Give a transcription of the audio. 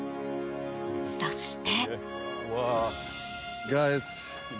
そして。